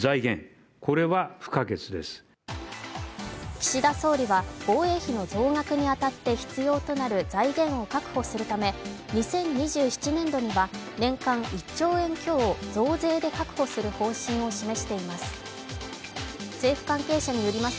岸田総理は、防衛費の増額に当たって必要となる財源を確保するため、２０２７年度には、年間１兆円強を増税で確保する方針を示しています。